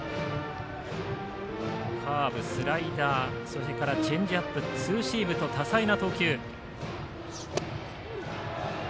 カーブ、スライダーそれからチェンジアップツーシームと多彩な投球。